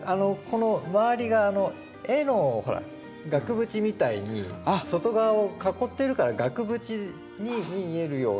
このまわりが絵のほら額縁みたいに外側を囲ってるから額縁に見えるよう。